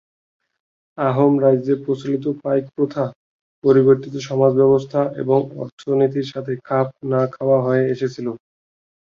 আহোম রাজ্যে প্রচলিত পাইক প্রথা পরিবর্তিত সমাজ ব্যবস্থা এবং অর্থনীতির সাথে খাপ না খাওয়া হয়ে এসেছিল।